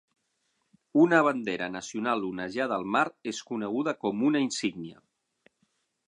Una bandera nacional onejada al mar és coneguda com una insígnia.